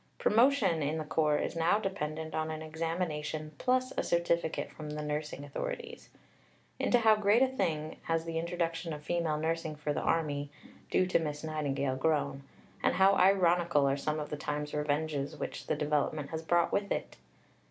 Promotion in the Corps is now dependent on an examination plus a certificate from the nursing authorities. Into how great a thing has the introduction of female nursing for the Army, due to Miss Nightingale, grown, and how ironical are some of time's revenges which the development has brought with it!